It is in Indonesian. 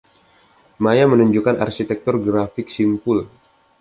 Maya menunjukkan arsitektur grafik simpul.